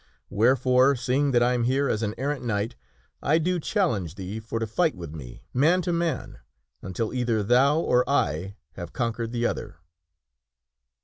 Wherefore, seeing that I am here as an errant Knight, I do challenge thee for to fight with me, man to man, until either thou or I have conquered the other."